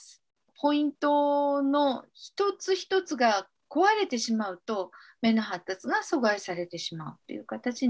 ポイントの一つ一つが壊れてしまうと目の発達が阻害されてしまうという形になります。